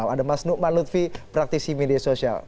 ada mas nukman lutfi praktisi media sosial